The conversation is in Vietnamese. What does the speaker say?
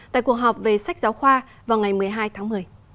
tại cuộc họp về sách giáo khoa vào ngày một mươi hai tháng một mươi